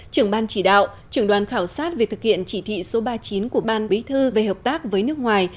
trưởng ban chỉ đạo trưởng đoàn khảo sát về thực hiện chỉ thị số ba mươi chín của ban bí thư về hợp tác với nước ngoài